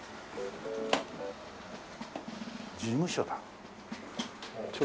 事務所だ。